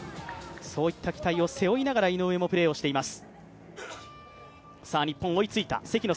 そういった期待を背負いながら井上もプレーをしています。